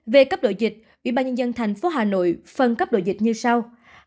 về cấp độ dịch ubnd tp hà nội phân cấp độ dịch như sau